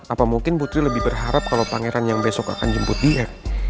apa mungkin putri lebih berharap kalau pangeran yang besok akan jemput dia